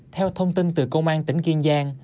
theo thông tin từ công an tỉnh kiên giang